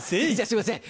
すいません